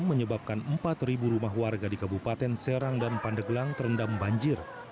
menyebabkan empat rumah warga di kabupaten serang dan pandeglang terendam banjir